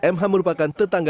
mh merupakan tetangga